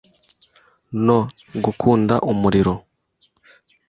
no “gukunda umurimo”